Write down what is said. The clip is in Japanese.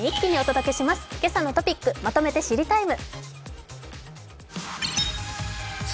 「けさのトピックまとめて知りＴＩＭＥ，」